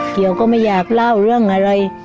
เกี่ยวก็ไม่อยากเล่าเรื่องอะไร